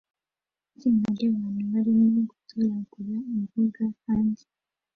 Itsinda ryabantu barimo gutoragura imboga hanze